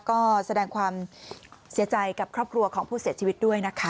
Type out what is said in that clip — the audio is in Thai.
ก็แสดงความเสียใจกับครอบครัวของผู้เสียชีวิตด้วยนะคะ